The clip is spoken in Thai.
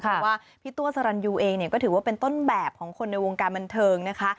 เพราะว่าพี่ตัวสรรยูเองเนี่ยก็ถือว่าเป็นต้นแบบของคนในวงการบันเทิงนะคะ